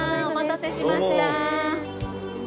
お待たせしました。